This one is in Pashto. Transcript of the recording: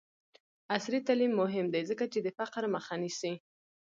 عصري تعلیم مهم دی ځکه چې د فقر مخه نیسي.